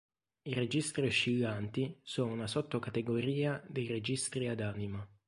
I registri oscillanti sono una sottocategoria dei registri ad anima.